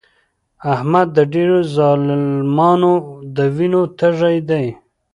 احمد د ډېرو ظالمانو د وینو تږی دی.